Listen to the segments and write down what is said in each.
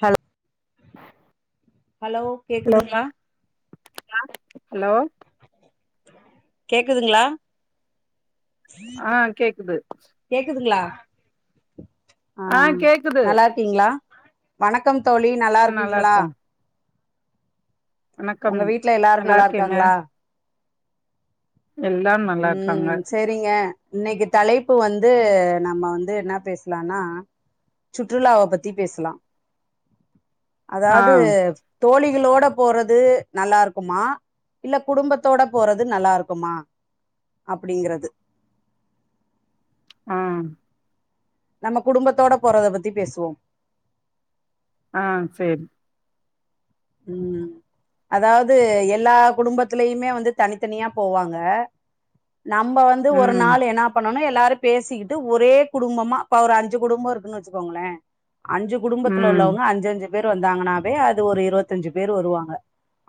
Hello ஆ [inaudible] hello கேக்குதுங்ளா hello கேக்குதுங்ளா ஆ கேக்குது கேக்குதுங்ளா ஆ நல்லா இருக்கீங்ளா வணக்கம் தோழி நல்லா இருக்கீங்களா வணக்கம் உங்க வீட்ல எல்லாரு நல்லா இருக்காங்களா எல்லாரு நல்லா இருக்காங்க ம்ம் செரிங்ங இன்னைக்கு தலைப்பு வந்து நம்ம வந்து என்ன பேசலானா சுற்றுலாவ பத்தி பேசலா ஆ அதாவ்து தோழிகளோட போறது நல்லா இருக்குமா இல்ல குடும்பத்தோட போறது நல்லா இருக்குமா அப்டிங்கிறது ஆ நம்ம குடும்பத்தோட போறத பத்தி பேசுவோ ஆ செரி உம் அதாவது எல்லா குடும்பத்லையுமே வந்து தனித்தனியா போவாங்க நம்ப வந்து ஒரு ம் நாள் என்ன பண்ணணு எல் லாரு பேசிகிட்டு ஒரே குடும்பமா இப்ப ஒரு அஞ்சு குடும்போ இருக்குனு வச்சுக்கோங்களே அஞ்சு குடும்பத்துல ம் உள்ளவங்க அஞ்சு அஞ்சு பேர் வந்தாங்கனாவே அது ஒரு இருவத்தஞ்சு பேர் வருவாங்க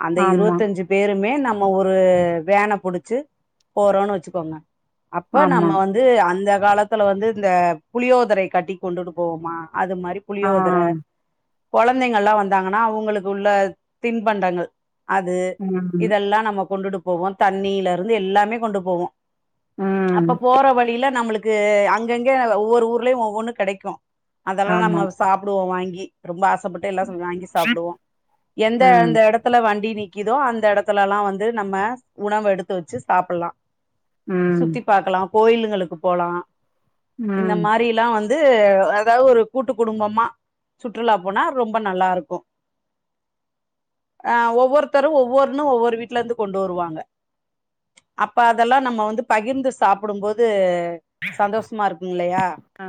அந்த ஆமா இருவத்தஞ்சு பேருமே நம் நம்ம ஒரு வேன புடுச்சு போறோனு வச்சுகோங்க அப்ப ஆமா நம்ம வந்து அந்த காலத்துல வந்து இந்த புளியோதரை கட்டி கொண்டுட்டு போவோமா அது மாரி ஆ புளியோதர கொழந்தைங்கல்லா வந்தாங்கனா அவுங்களுக் உள்ள தின்பண்டங்கள் அது ம் இதெல்லா நம்ம கொண்டுட்டு போவோ தண்ணியில இருந்து எல்லாமே கொண்டு போவோ ம் அப்ப போற வழியில நம்ளுக் அங்க அங்கங்க ஒவ்வொரு ஊர்லயு ஒவ்வொன்னு கெடைக்கு அதெல்லா ஆமா நம்ம சாப்டுவோ வாங்கி யி ரொம்ப ஆசப்பட்டு எல்லா செஞ்சு அங்கே வாங்கி சாப்டுவோ ம் எந்தந்த எடத்துல வண்டி நிக்கிதோ அந்த எடத்துலலா வந்து நம்ம உணவு எடுத்து வச்சு சாப்புல்லா ம் சுத்தி பாக்கலா கோயிலுங்களுக்கு போலா இந்த ம் மாரில்லா வந் ந்து அதாவது ஒரு கூட்டு குடும்பமா சுற்றுலா போனா ரொம்ப நல்லா இருக்கூ ஆ ஒவ்வொருத்தரு ஒவ்வொருன்னு ஒவ்வொரு வீட்ல இருந்து கொண்டு வருவாங்க அப்ப அதெல்லா நம்ம வந்து பகிர்ந்து சாப்டும் போது சந்தோஷ்மா இருக்கும்லயா ஆ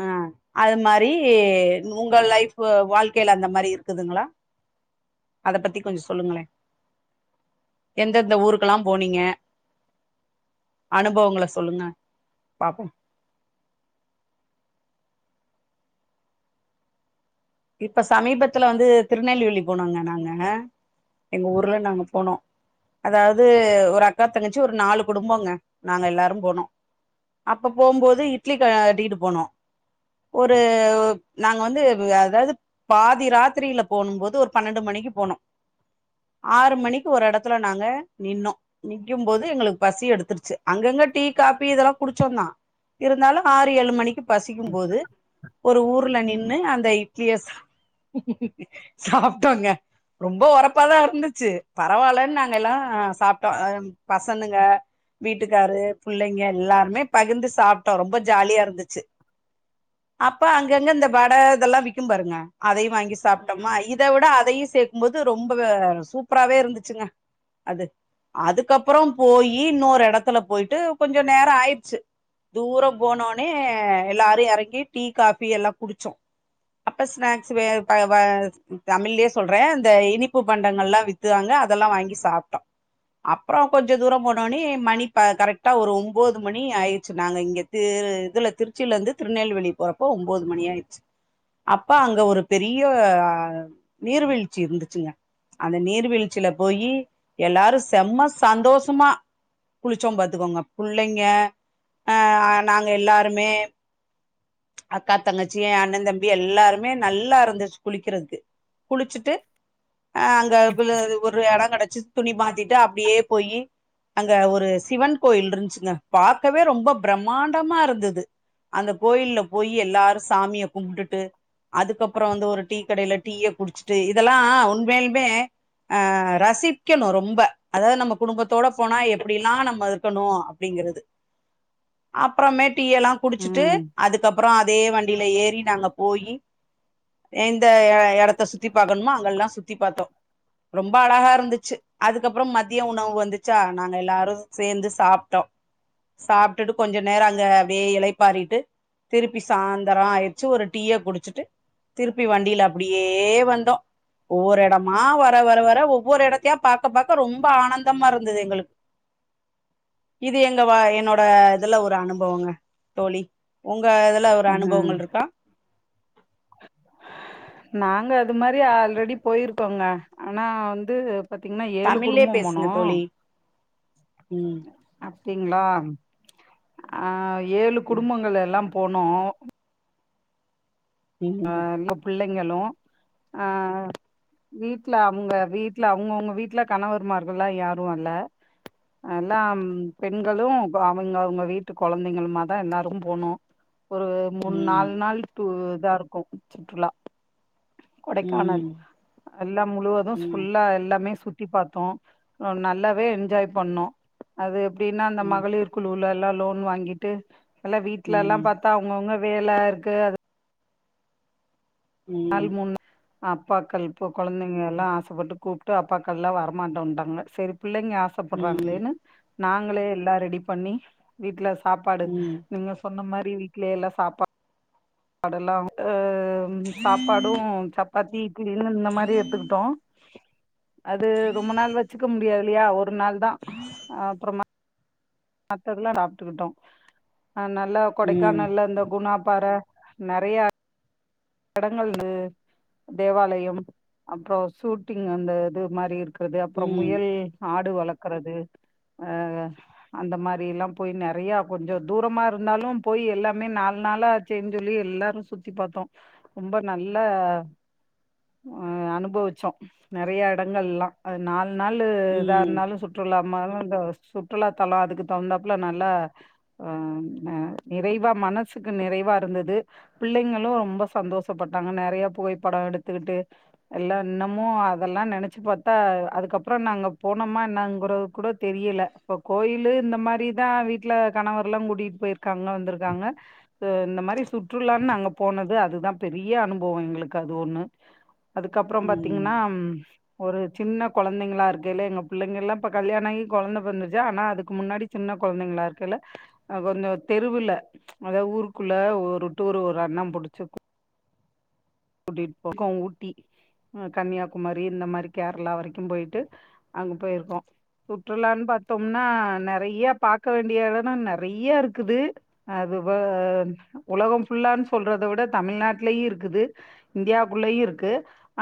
அஹ அது மாரி உங்க லைஃபு வாழ்க்கைல அந்த மாரி இருக் இருக்குதுங்ளா அத பத்தி கொஞ்ச சொல்லுங்களே எந்தெந்த ஊருகெல்லா போனீங்க அனுபவங்கள சொல்லுங்க பாப்போம் இப்ப சமீபத்துல வந்து திருநெல்வேலி போனோங்க நாங்க எங்க ஊர்ல நாங்க போனோ அதாவது ஒரு அக்கா தங்கச்சி ஒரு நாலு குடும்போங்க நாங்க எல்லாரும் போனோ அப்ப போம்போது இட்லி க கட்டிட்டு போனோ ஒரு ப் நாங்க வந்து பு அத் அதாவது பாதிராத்திரில போனும்போது ஒரு பன்னெண்டு மணிக்கி போனோ ஆறு மணிக்கு ஒரு எடத்துல நாங்க நின்னோ நிக்கும்போது எங்களுக்கு பசி எடுத்துருச்சு அங்கங் டீ காப்பி இதெல்லா குடுச்சோந்தா இருந்தாலு ஆறு ஏழு மணிக்கு பசிக்கும் போது ஒரு ஊர்ல நின்னு அந்த இட்லிய சாப் சாப்ட்டோங்க ரொம்ப ஒரப்பாதா இருந்துச்சு பரவாயில்லன்னு நாங்க எல்லா சாப்ட்டோ பசனுங்க வீட்டுக்காரு பிள்ளைங்க எல்லாருமே பகிர்ந்து சாப்ட்டோ ரொம்ப ஜாலியா இருந்துச்சு அப்ப அங்கங்க இந்த வட இதெல்லா விக் க்கு பாருங்க அதையு வாங்கி சாப்ட்டோம்மா இத விட அதையு சேக்கும்போது ரொம்ப சூப்பராவே இருந்துச்சுங்க அது அதுக்கப்றோ போயி இன்னொரு எடத்துல போய்ட்டு கொஞ்ச நேரோ ஆய்ட்ச்சு தூரோ போனோனே எல்லாரு எறங்கி டீ காஃபி எல்லா குடிச்சோ அப்ப ஸ்நாக்ஸ் வே வ தமிழ்லயே சொல்றே இந்த இனிப்பு பண்டங்கல்லா வித்தாங்க அத தெல்லா வாங்கி சாப்ட்டோ அப்றோ கொஞ்சோ தூரோ போனோனே மணி ப கரெக்டா ஒரு ஒம்போது மணி ஆய்ட்ச்சு நாங்க இங்க து இதுல திருச்சிலருந்து திருநெல்வேலி போறப்ப ஒம்போது மணி ஆய்டுச்சு அப்ப அங்க ஒரு பெரிய நீர்வீழ்ச்சி இருந்துச்சுங்க அந்த நீர்வீழ்ச்சில போயி எல்லாரு செம்ம சந்தோஷமா குளிச்சோ பாத்துக்கோங்க புள்ளைங்க அ நாங்க எல்லாருமே அக்கா தங்கச்சி ஏ அண்ணே தம்பி எல்லாருமே நல்லா இருந்துச்சு குளிக்கிறதுக்கு குளிச்சுட்டு அ அங்க ஒரு எடோ கெடச்சு துணிமா த்திட்டு அப்டியே போயி அங்க ஒரு சிவன் கோயில் இருன்ச்சுங்க பாக்கவே ரொம்ப பிரம்மாண்டமாருந்தது அந்த கோயில்ல போயி எல்லாரு சாமிய‌ கும்டுட்டு அதுக்கப்றோ வந்து ஒரு டீக்கடைல டீய குடிச்சுட்டு இதெல்லா உண்மயால்மே அ ரசிக்கணு ரொம்ப அதாவது நம்ம குடும்பத்தோட போனா எப்டிலா நம்ம இருக்கணு அப்டிங்கிறது அப்றமேட் டீ எல்லா குடிச்சுட்டு ம் அது அதே வண்டில ஏறி நாங்க போயி எந்த எடத்த சுத்தி பாக்கணுமோ அங்கல்லா சுத்தி பாத்தோ ரொம்ப அழகா இருந்துச்சு அதுக்கப்றோ மதிய உணவு வந்துச்சா நாங்க எல்லாரு சேந்து சாப்ட்டோ சாப்ட்டுட்டு கொஞ்ச நேரோ அங்க அப்டியே இளைப்பாறிட்டு திருப்பி சாயந்தரோ ஆயிட்ச்சு ஒரு டீய குடிச்சுட்டு திருப்பி வண்டில அப்டியே வந்தோ ஒவ்வொரு எடமா வர வர வர ஒவ்வொரு எடத்தையா பாக்க பாக்க ரொம்ப ஆனந்தமா இருந்தது எங்களுக்கு இது எங்க வா என்னோட இதுல ஒரு அனுபவோங்க தோழி உங்க இதுல ஒரு ம் அனுபவங்கள் இருக்கா நாங்க அது மாரி ஆல்ரெடி போய்ருக்கோங்க ஆனா வந்து பாத்தீங்கன்னா ஏழு தமிழ்லே குடும்போ போனோ பேசுங்க தோழி ம் தீங்களா அ ஏழு குடும்பங்கள் எல்லா போனோ ம் அ ம் நம்ம பிள்ளைங்களு ஆ வீட்ல அவுங்க வீட்ல அவங்கவுங்க வீட்ல கணவர்மார்கள்ல்லா யாரு வர்ல எல்லாம் பெண்களு அவுங்க அவுங்க வீட்டு கொழந்தைங்களுமா தா எல்லாரும் போனோ ஒரு மூண் ம் நாலு நாள் டூ இதா இருக்கு சுற்றுலா கொடைக்கானல் ம் எல்லாம் முழுவது‌ ம் ஃபுல்லா எல்லாமே சுத் தி பாத்தோ நல்லாவே என்ஜாய் பண்ணோ அது எப்டின்னா அந்த ம் மகளிர் குழு லலா லோன் வாங்கிட்டு இப்பெல்லா வீட்ல எல்லா ம் பாத்தா அவங்கவுங்க வேலருக்கு அது ம் அப்பாக்கள் இப்ப கொழந்தைங்க எல்லா ஆசப்பட்டு கூப்ட்டு அப்பாக்கள்ல்லா வரமாட்டோன்ட்டாங்க செரி பிள்ளைங்க ம் ம் ஆசப்பட்றாங்களேன்னு நாங்களே எல்லா ரெடி பண்ணி வீட்ல சாப்பாடு நீங்க சொன்ன மாரி வீட்லயே எல்லா சாப்பாடெல்லா ஏ சாப்பாடு சப்பாத்தி இட்லினு இந்த மாரி எடுத்துக்கிட்டோ அது ரொம்ப நாள் வச்சுக்க முடியாதில்லயா ஒரு நாள் தா அப்றமா மத்ததெல்லா சாப்ட்டுக்கிட்டோ அ நல்லா கொடைக்கானல்ல இந்த குணாப்பாற நெறைய இடங்கள் தேவாலயம் அப்றோ ஷூட்டிங் அந்த இது மாரி இருக் க்குறது ம் அப்றோ ம் முயல் ஆடு வளக்குறது ஆ அந்த மாரியல்லா போய் நெறைய கொஞ்ச தூரமா இருந்தாலு போய் எல்லாமே நா நாலாச்சேன் சொல்லி எல்லாரு சுத்தி பாத்தோ ரொம்ப நல்ல அ அனுபவுச்சோ நெறைய எடங்கல்லா அது நாலு நாளு எதா ம் இருந்தாலு சுற்றுலா [unintelligible] சுற்றுலா தலொ அதுக்கு தகுந்தாப்ல நல்ல நிறைவா மனசுக்கு நிறைவா இருந்தது பிள்ளைங்களு ரொம்ப சந்தோஷப்பட்டாங்க நெறையா புகைப்படோ எடுத்துக்கிட்டு எல்லா இன்னமு அதல்லாம நெனச்சு பாத்தா அது அதுக்கப்பறோ நாங்க போனமா என்னாங்குறது கூட தெரியல அப்ப கோயிலு இந்த மாரி தா வீட்ல ல கணவர்லா கூட்டிட் போய்ருக்காங்க வந்துருக்காங்க இது இந்த மாரி சுற்றுலான் நாங்க போனது அதுதா பெரிய அனுபவோ எங்களுக்கு அது ஒன்னு அதுக்கப்பறோ ம் பாத்தீங்னா ஒரு சின்ன கொழந்தைங்களா இருக்கேலே எங்க புள்ளைங்கல்லா இப்ப கல்யாண ஆகி கொழந்த பொறந்திற்ச்சா ஆனா அதுக்கு முன்னாடி சின்ன கொழந்தைங்களா இருக்கேல அ கொஞ்சோ தெருவுல்ல அதாவது ஊருக்குள்ள ஒரு டூரு ஒரு அண்ண புடுச்சு கூட்டிட் போகு ஊட்டி அ கன்யாகுமரி இந்த மாரி கேரளா வரைக்கு போய்ட்டு அங்க போய்ருக்கோ சுற்றுலான் பாத்தோம்னா நெறைய பாக்க வேண்டிய எடன்னா நெறைய இருக்குது அது இப்ப உலகம் ஃபுல்லான் சொல்றத விட தமிழ்நாட்லயு இருக்குது இந்தியாக்குள்ளயு இருக்கு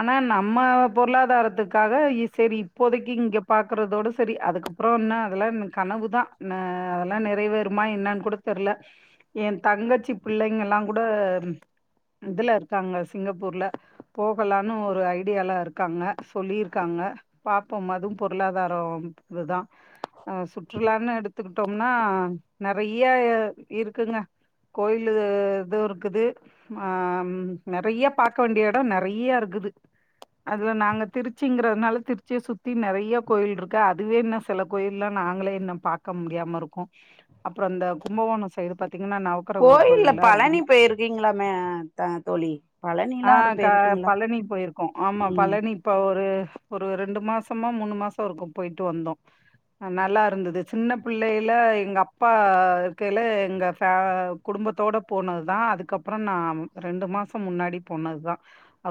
ஆனா நம்ம பொருளாதாரத்துக்காக இ சரி இப்போதக்கி இங்க பாக்குறதோட சரி அதுக்கப்பறோன்னா அதல்லா கனவு தா ந அதல்லா நிறைவேறுமா என்னா னு கூட தெர்ல எ தங்கச்சி புள்ளைங்கல்லா கூட இதுல தாங்க சிங்கப்பூர்ல போகலானு ஒரு ஐடியால இருக்காங்க சொல்லிருக்காங்க பாக் ப்போம் அதும் பொருளாதாரோ இதுதா அ சுற்றுலான்னு எடுத்துக்குட்டோம்னா நெறைய இருக்குங்க கோயிலு இதூ இருக்குது ஆ நெறைய பாக்க வேண்டிய எடோ நெறைய இருக்குது அதுல நாங்க திருச்சிங்கிறதுனால திருச்சிய சுத்தி நெறைய கோயில்ருக்கு அதுவே இன்ன சில கோயில்லா நாங்களே இன்னும் பாக்க முடியாம இருக்கோ அப்பறோ அந்த கும்பகோணோ சைடு பாத் கோயில்ல பழனி போயிருக்கீங்களா மே த தோழி ஆ பழனிலா அரு க போயிருப்பீங்களா பழனி போய்ருக்கோ ஆமா ம் பழனி இப்ப ஒரு ஒரு ரெண்டு மாசமா மூணு மாசொ இருக்கு போய்ட்டு வந்தோ நல்லா இருந்தது சின்ன புள்ளேல எங்க அப்பா இருக்கேல எங்க ஃபே குடும் ம்பத்தோட போனது தா அதுக்கப்பறோ நா ரெண்டு மாசோ முன்னாடி போனது தா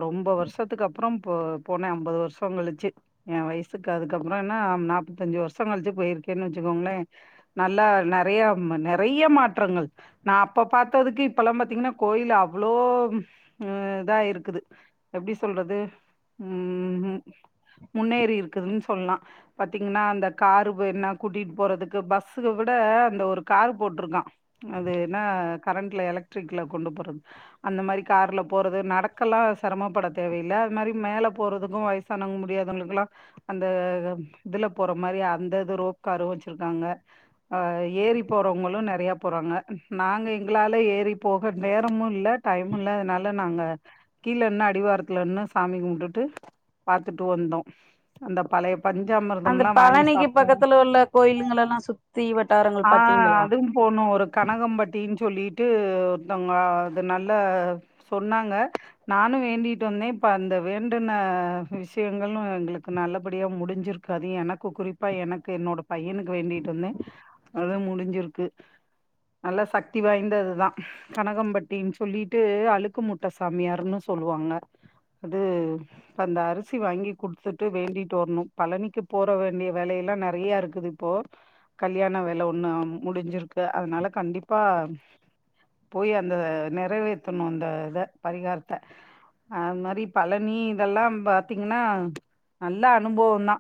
ரொம்ப வருஷத்துக்கு அப்றம் இப்போ போனே அம்பது வருஷோங் கழுச்சு ஏ வயசுக்கு அதுக்கப்பறோனா நாப்பத்தஞ்சு வருஷோ கழுச்சு போய்ருக் கேன்னு வச்சுக்கோங்லே நல்லா நெறையா நெறைய மாற்றங்கள் நா அப்ப பாத்ததுக்கு இப்பல்லா பாத்தீங்கன்னா கோயில்ல அவ்ளோ ம் இதா இருக்குது எப்டி சொல்றது ம் ம் முன்னேறி இருக்குதுன் சொல்லா பாத்தீங்கன்னா அந்த காரு என்னா கூட்டிட் போறதுக்கு பஸ்ஸுக விட ட அந்த ஒரு கார் போட்ருக்கா அது என்னா கரண்ட்ல எலக்ட்ரிக்ல கொண்டு போறது அந் அந்த மாரி கார்ல போறது நடக்கலா செரமப்பட தேவை இல்ல அது மாரி மேல போறதுக்கு வயசானவுங் முடியாதவுங்களுகல்லா அந்த இதுல போற மாரி அந்த இது ரோப்காரு வச்சுருக்காங்க அ ஏறி போற அவுங்களு நெறையா போறாங்க நாங்க எங்களால ஏறி போக நேரமு இல்ல டைமு இல்ல அதுனால ல நாங்க கீழ நின்னு அடிவாரத்துல நின்னு சாமி கும்டுட்டு பாத்துட்டு வந்தோ அந்த பழய அந்த பஞ்சாமிர்தமலா வாங்கி பழனிக்கு சாப்ட்டோ பக்கத்துல உள்ள கோயிலுங்களெல்லா சுத்தி ஆ வட்டாரங்கள் பாத்தீங்களா அதுவும் போனா ஒரு கனகம்பட்டின்னு சொல்லிட்டு ஒருத்தங்க அது நல்ல சொன்னாங்க நானு வேண்டிட் வந்தே இப்ப அந்த வேண்டுன விஷயங்களு எங்களுக்கு நல்லபடியா முடிஞ்சுருக்கு அது எனக்கு குறிப்பா எனக்கு என்னோட பையனுக்கு வேண்டிட்டு வந்தே அதும் முடிஞ்சிருக்கு நல்ல சக்தி வாய்ந்ததுதா கனகம்பட்டின்னு சொல்லிட்டு அழு அலுக்கு முட்டைசாமியாருன்னு சொல்லுவாங்க அது இப்ப அந்த அரிசி வாங்கி குடுத்துட்டு வேண்டிட்டு வரணும் பழனிக்கு போற வேண்டிய வேலைய எல்லாம் நிறைய இருக்குது இப்போ கல்யாண வேலை ஒண்ணு முடிஞ்சிருக்கு அதனால கண்டிப்பா போய் அந்த நிறைவேத்தணும் அந்த இத பரிகாரத்தை அது மாதிரி பழனி இதெல்லாம் பாத்தீங்கன்னா நல்ல அனுபவதா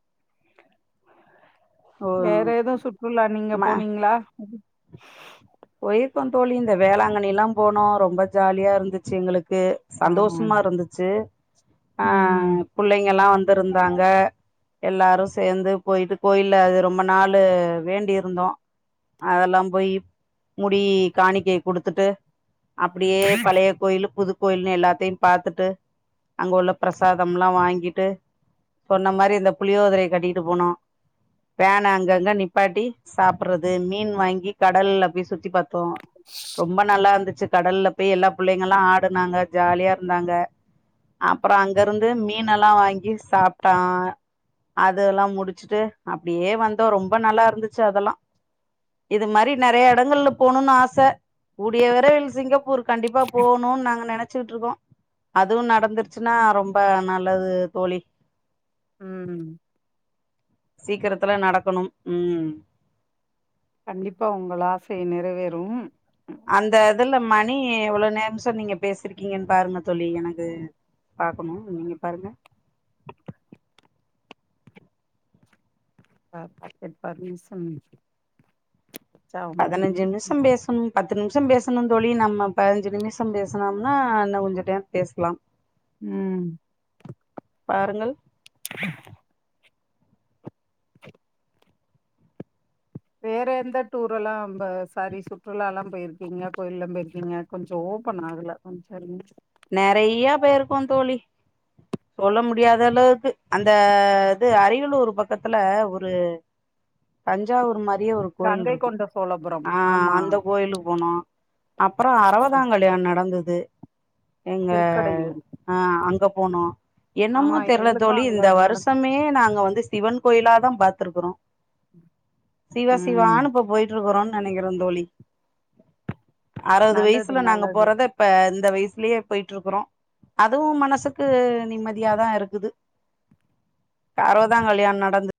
[inaudible] ஓ வேற எதுவும் சுற்றுலா நீங்க ம போனீங்களா போயிருக்கோ தோழி இந்த வேளாங்கண்ணி எல்லாம் போனோ ரொம்ப ஜாலியா இருந்துச்சு எங்களுக் க்கு ஆ சந்தோஷமா இருந்துச்சு ஆ ம் பிள்ளைங்க எல்லாம் வந்து இருந்தாங்க. எல்லாரும் சேர்ந்து போயிட்டு கோயில் அது ரொம்ப நாளு வேண்டிருந்தோ அதெல்லாம் போயி முடி காணிக்கை குடுத்துட்டு அப்படியே பழைய கோயிலு புது கோயில்னு எல்லாத்தையும் பாத்துட்டு அங்க உள்ள பிரசாதம் எல்லாம் வாங்கிட்டு சொன்ன மாதிரி இந்த புளியோதிரையை கட்டிட்டு போனோ வேண அங்கங்க நிப்பாட்டி சாப்பிடுறது மீன் வாங்கி கடல்ல சுத்தி பார்த்தோம் ரொம்ப நல்லா இருந் துச்சு கடல்ல போய் எல்லா பிள்ளைங்க எல்லாம் ஆடுனாங்க ஜாலியா இருந்தாங்க அப்புறம் அங்க இருந்து மீன் எல்லாம் வாங்கி சாப்பிட்டா அதெல்லாம் முடிச்சுட்டு அப்படியே வந்தோ ரொம்ப நல்லா இருந்துச்சு அதெல்லா இது மாதிரி நிறைய இடங்களல போணும்னு ஆசை கூடிய விரைவில் சிங்கப்பூர் கண்டிப்பா போகணும் நாங்க நினைச் ச்சிட்டு இருக்கோ அதுவும் நடந்துருச்சுன்னா ரொம்ப நல்லது தோழி ம். சீக்கிரத்துல நடக்கணும் உம். கண்டிப்பா உங்கள் ஆசை நிறைவேறும். அந்த இதுல மணி எவ்வளவு நேரம் நிமிஷம் நீங்க பேசிருக்கீங்கன்னு பாருங்க தோழி எனக்கு பாக்கணும் நீங்க பாருங்க ஆ பத் பத்து நிமிஷம் பதினஞ்சு நிமிஷம் பேசணும் பத்து நிமிஷம் பேசணும்னு தோழி நம்ம பதினஞ்சு நிமிஷம் பேசனோம்னா இனகொஞ்ச டைம் பேசலாம் ம். பாருங்கள். [inaudible] [inaudible] வேற எந்த டூர் எல்லாம் சாரி சுற்றுலா எல்லாம் போயிருக்கீங்க கோயலாம் போயிருக்கீங்க கொஞ்ச ஓபன் ஆகல கொஞ்சம் இருங்க நிறையா பேயிருக்கோ தோழி சொல்ல முடியாத அளவுக்கு அந்த இது அரியலூர் பக்கத்துல ஒரு தஞ்சாவூர் மாதிரிய ஒரு கோயில் கங்கை இருக்கு கொண்ட சோழபுரம் ஆ ஆமா அந்த கோயிலுக்கு போனோ அப்புறம் அறுபதா கல்யாணம் நடந்து எங்க திருக்கடையூர் ஆ அங்க போனோ என்னமோ ஆமா தெரியல எங்களுக்கு தோழி அங்க இந்த நட வருஷமே நாங்க வந்து சிவன் கோயில தான் பாத்திருக்கறோ சிவா ம் சிவானுப்ப போயிட்டு இருக்கறோனு நினைக்கிறேன் தோழி அறுபது நல்லது வயசுல நாங்க நல்லது போறத இப்ப இந்த வய யே போயிட்டு இருக்கிறோ அதுவும் மனசுக்கு நிம்மதியாதா இருக்குது. அறுவதா கல்யாண நடந்